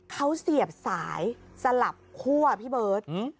เขาเสียบสายสลับคั่วพี่เบิร์ต